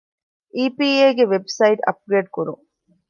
އީ.ޕީ.އޭގެ ވެބްސައިޓް އަޕްގްރޭޑް ކުރުން